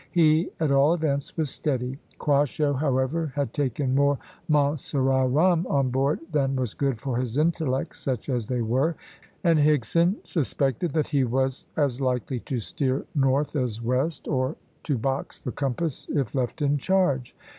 He at all events was steady. Quasho, however, had taken more Montserrat rum on board than was good for his intellects such as they were, and Higson suspected that he was as likely to steer north as west, or to box the compass if left in charge.